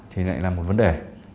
thì lại là một vấn đề